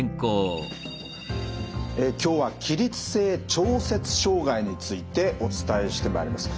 今日は起立性調節障害についてお伝えしてまいります。